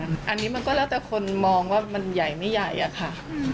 อันนี้มันก็แล้วแต่คนมองว่ามันใหญ่ไม่ใหญ่อะค่ะ